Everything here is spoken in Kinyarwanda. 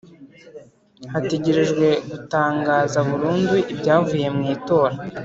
Hategerejwe gutangaza burundu ibyavuye mu itora